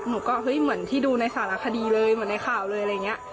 หนูก็เฮ้ยเหมือนที่ดูในสารคดีเลยเหมือนในข่าวเลยอะไรอย่างนี้